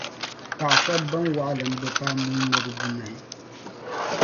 Paɣa shɛb’ bɛn waɣilim bi paai nuu ŋmɛbu bunahi.